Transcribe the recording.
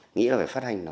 nghĩ là phải phát hành nó